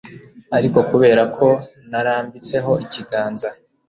Ariko kubera ko narambitseho ikiganza